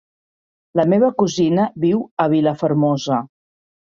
La meva cosina viu a Vilafermosa.